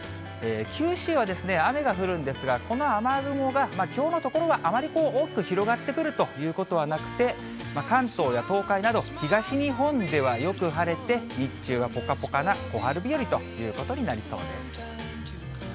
九州は雨が降るんですが、この雨雲がきょうのところはあまり大きく広がってくるということはなくて、関東や東海など、東日本ではよく晴れて、日中はぽかぽかな小春日和ということになりそうです。